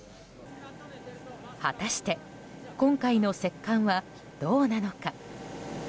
果たして今回の石棺はどうなのか。